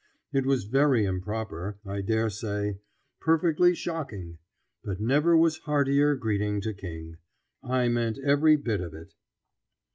It was very improper, I dare say; perfectly shocking; but never was heartier greeting to king. I meant every bit of it.